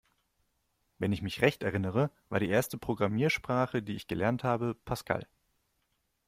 Wenn ich mich recht erinnere, war die erste Programmiersprache, die ich gelernt habe, Pascal.